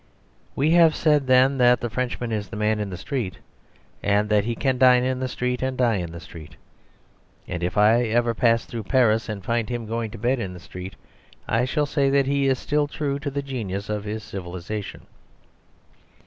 We have said, then, that the Frenchman is the man in the street; that he can dine in the street, and die in the street. And if I ever pass through Paris and find him going to bed in the street, I shall say that he is still true to the genius of his civilisation.